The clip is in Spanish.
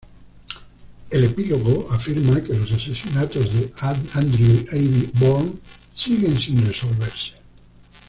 El epílogo afirma que los asesinatos de Andrew y Abby Borden siguen sin resolverse.